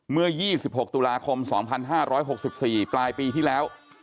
เมื่อ๒๖ตุลาคม๒๕๖๔ปลายปีที่แล้ว